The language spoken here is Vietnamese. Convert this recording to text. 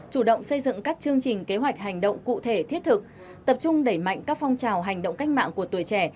chủ động xây dựng các chương trình kế hoạch hành động cụ thể thiết thực tập trung đẩy mạnh các phong trào hành động cách mạng của tuổi trẻ